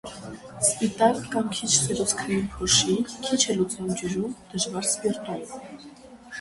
Սպիտակ կամ քիչ սերուցքագույն փոշի, քիչ է լուծվում ջրում, դժվար՝ սպիրտում։